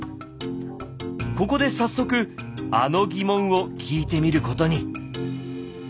ここで早速あの疑問を聞いてみることに。